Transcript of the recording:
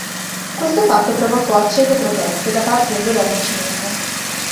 Questo fatto provocò accese proteste da parte del governo cinese.